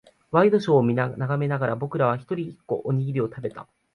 ワイドショーを眺めながら、僕らは一人、一個、おにぎりを食べた。